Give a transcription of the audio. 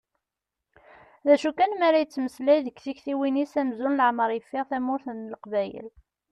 D acu kan mi ara yettmeslay, deg tiktiwin-is amzun leɛmer yeffeɣ tamurt n Leqbayel.